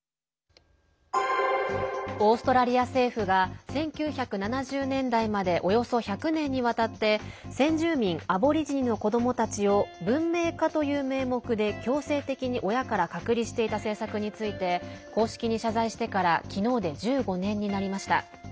オーストラリア政府が１９７０年代までおよそ１００年にわたって先住民アボリジニの子どもたちを文明化という名目で強制的に親から隔離していた政策について公式に謝罪してから昨日で１５年になりました。